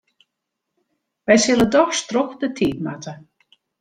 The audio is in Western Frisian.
Wy sille dochs troch de tiid moatte.